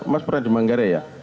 mas pradyumanggare ya